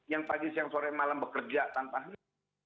yang pagi siang sore malam bekerja tanpa health